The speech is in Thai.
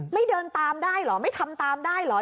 ไม่เดินตามได้หรอกไม่ทำตามได้หรอก